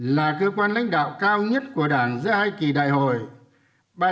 là cơ quan lãnh đạo cao nhất của đảng giữa hai kỳ đại học gắn võ móng thịt với nhân dân được nhân dân tin tưởng yêu mến